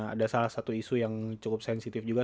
ada salah satu isu yang cukup sensitif juga